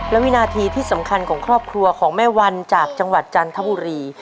และวินาทีที่สำคัญของครอบครัวของแม่วันจากจังหวัดจันทบุรี